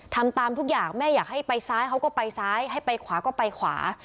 ทำตามทุกอย่างแม่อยากให้ไปซ้ายเขาก็ไปซ้ายให้ไปขวาก็ไปขวา